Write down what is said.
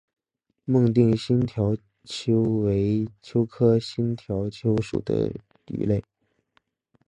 孟定新条鳅为鳅科新条鳅属的鱼类。